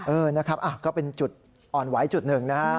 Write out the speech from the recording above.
เออนะครับก็เป็นจุดอ่อนไหวจุดหนึ่งนะฮะ